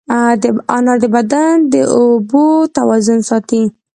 انار د بدن د اوبو توازن ساتي.